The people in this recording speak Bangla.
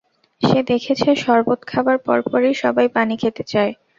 সে দেখেছে শরবত খাবার পরপরই সবাই পানি খেতে চায়।